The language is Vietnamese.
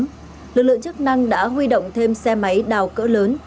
trong đêm ngày một mươi năm tháng một mươi lực lượng chức năng đã huy động thêm xe máy đào cỡ lớn